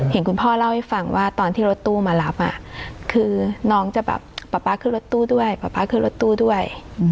เห็นคุณพ่อเล่าให้ฟังว่าตอนที่รถตู้มารับคือน้องจะแบบป๊าป๊าขึ้นรถตู้ด้วยป๊าป๊าขึ้นรถตู้ด้วย